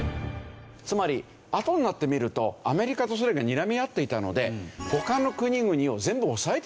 つまりあとになってみるとアメリカとソ連がにらみ合っていたので他の国々を全部抑えてたわけです。